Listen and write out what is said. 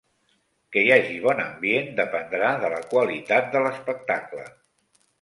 Que hi hagi bon ambient dependrà de la qualitat de l'espectacle.